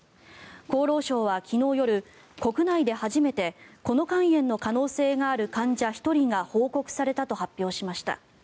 厚労省は昨日夜国内で初めてこの肝炎の可能性がある患者１人が報告されたと発表しました。